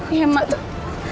ia emak tuh